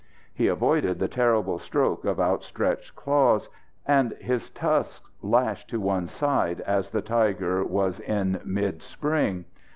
He avoided the terrible stroke of outstretched claws, and his tusks lashed to one side as the tiger was in midspring.